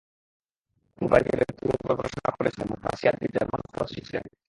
তিনি বাড়িতে ব্যক্তিগতভাবে পড়াশোনা করেছিলেন এবং ফারসি, আরবি, জার্মান, ফরাসি শিখেছিলেন।